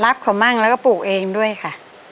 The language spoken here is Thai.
เขามั่งแล้วก็ปลูกเองด้วยค่ะ